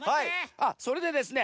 あっそれでですね